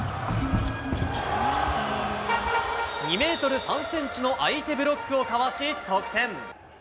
２メートル３センチの相手ブロックをかわし、得点。